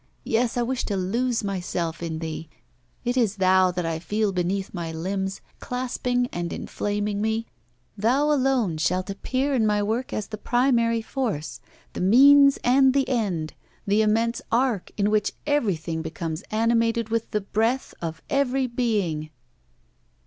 Yes, I wish to lose myself in thee; it is thou that I feel beneath my limbs, clasping and inflaming me; thou alone shalt appear in my work as the primary force, the means and the end, the immense ark in which everything becomes animated with the breath of every being!